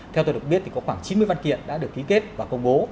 theo tôi được biết thì có khoảng chín mươi văn kiện đã được ký kết và công bố